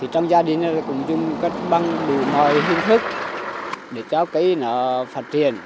trong gia đình cũng dùng các băng đủ mọi hình thức để cho cây nó phát triển